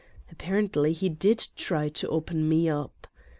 Apparently he did try to open me up.